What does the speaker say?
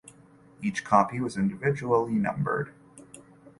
Each copy was individually numbered.